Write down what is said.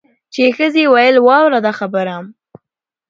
چي یې ښځي ویل واوره دا خبره